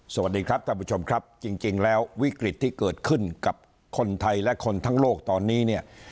สวัสดีครับท่านผู้ชมครับจริงแล้ววิกฤตที่เกิดขึ้นกับคนไทยและคนทั้งโลกตอนนี้เนี่ย